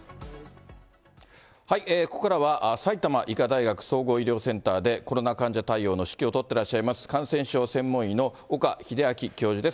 ここからは埼玉医科大学総合医療センターで、コロナ患者対応の指揮を執ってらっしゃいます、感染症専門医の岡秀昭教授です。